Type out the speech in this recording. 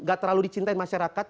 tapi gak terlalu dicintain masyarakat